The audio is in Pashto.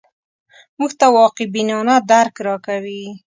موږ ته واقع بینانه درک راکوي